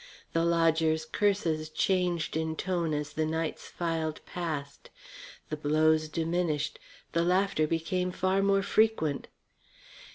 The lodger's curses changed in tone as the nights filed past, the blows diminished, the laughter became far more frequent.